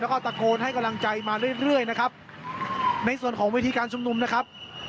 แล้วก็ตะโกนให้กำลังใจมาเรื่อยเรื่อยนะครับในส่วนของวิธีการชุมนุมนะครับ